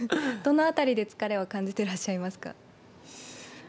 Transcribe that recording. どのあたりで疲れを感じていらっしゃいますか？